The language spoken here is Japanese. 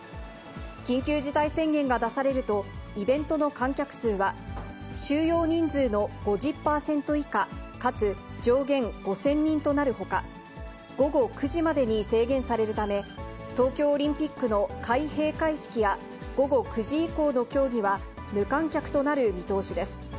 緊急事態宣言が出されると、イベントの観客数は、収容人数の５０％以下、かつ上限５０００人となるほか、午後９時までに制限されるため、東京オリンピックの開閉会式や、午後９時以降の競技は無観客となる見通しです。